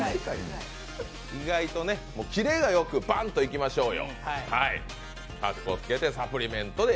キレがよく、バンといきましょうよ。